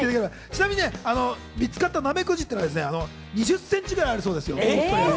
ちなみに、見つかったナメクジってのは２０センチぐらいあるそうですよ。